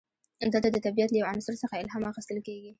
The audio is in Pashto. دلته د طبیعت له یو عنصر څخه الهام اخیستل کیږي.